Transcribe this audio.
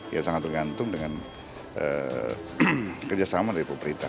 ya sangat tergantung dengan kerjasama dari pemerintah